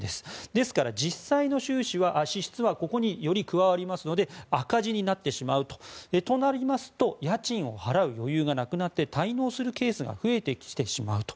ですから、実際の支出はここに、より加わりますので赤字になってしまうと。となりますと家賃を払う余裕がなくなって滞納するケースが増えてきてしまうと。